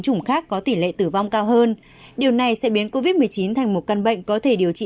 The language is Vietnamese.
các bệnh nhân có tỉ lệ tử vong cao hơn điều này sẽ biến covid một mươi chín thành một căn bệnh có thể điều trị